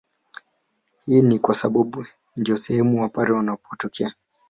Hii ni kwasababu ndiyo sehem wapare wanakotokea